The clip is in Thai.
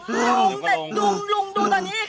ลุงดูตอนนี้แค่ติ๋วมันยังไงดีเลย